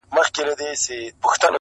نن قانون او حیا دواړه له وطنه کوچېدلي٫